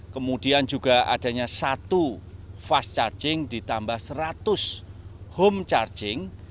kemudian juga adanya satu fast charging ditambah seratus home charging